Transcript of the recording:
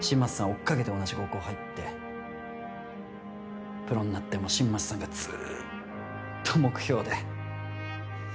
追いかけて同じ高校に入って、プロになっても新町さんがずーっと目標で。